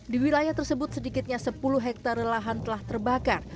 di wilayah tersebut sedikitnya sepuluh hektare lahan telah terbakar